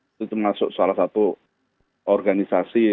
itu termasuk salah satu organisasi